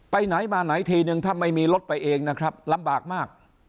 ไปไหนมาไหนทีนึงถ้าไม่มีรถไปเองนะครับลำบากมาก